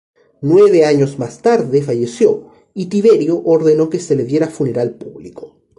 Nueve años más tarde falleció, y Tiberio ordenó que se le diera funeral público.